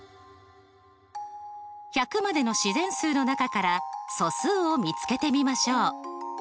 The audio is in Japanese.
１００までの自然数の中から素数を見つけてみましょう。